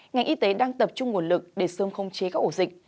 ngành y tế đang tập trung nguồn lực để sớm khống chế các ổ dịch